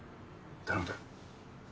頼んだ。